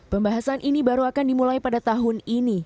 pembahasan ini baru akan dimulai pada tahun ini